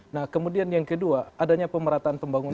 nah kemudian yang kedua adanya pemerataan pembangunan